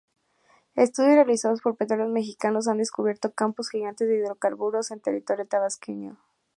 Estudios realizados por Petróleos Mexicanos, han descubierto campos gigantes de hidrocarburos en territorio tabasqueño.